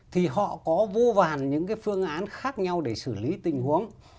thì họ có vô vàn những cái phương án khác nhau để xử lý tình huống